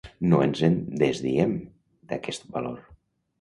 No ens en desdiem, d’aquest valor.